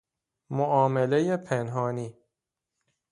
معاملهٔ پنهانی